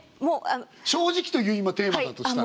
「正直」という今テーマだとしたら。